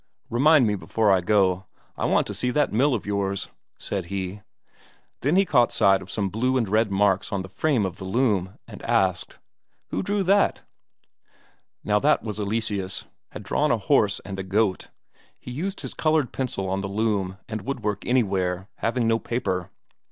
"Remind me before I go, I want to see that mill of yours," said he. Then he caught sight of some blue and red marks on the frame of the loom, and asked."Who drew that?" Now that was Eleseus, had drawn a horse and a goat; he used his coloured pencil on the loom and woodwork anywhere, having no paper.